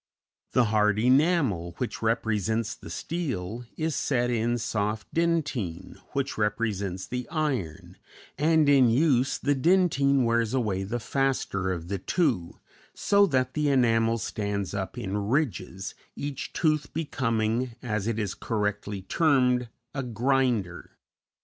The hard enamel, which represents the steel, is set in soft dentine, which represents the iron, and in use the dentine wears away the faster of the two, so that the enamel stands up in ridges, each tooth becoming, as it is correctly termed, "a grinder."